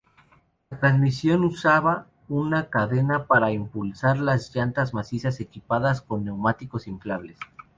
La transmisión usaba una cadena para impulsar las llantas macizas equipadas con neumáticos inflables.